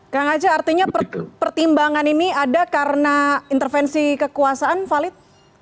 gak ngaja artinya pertimbangan ini ada karena intervensi kekuasaan valit